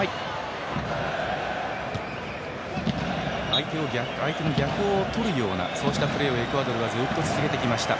相手の逆をとるようなプレーをエクアドルはずっと続けてきました。